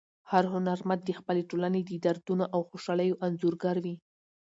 هر هنرمند د خپلې ټولنې د دردونو او خوشحالیو انځورګر وي.